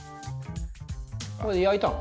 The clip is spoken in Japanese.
これ焼いたの？